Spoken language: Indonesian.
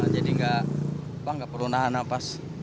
jadi nggak perlu tahan nafas